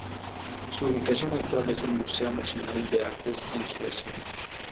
Su ubicación actual es el Museo Nacional de Artes en Suecia.